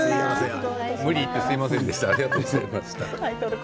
無理言ってすみませんでした。